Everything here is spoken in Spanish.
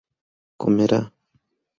comerá